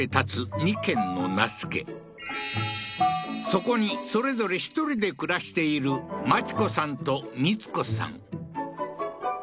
そこにそれぞれ１人で暮らしているマチ子さんと光子さん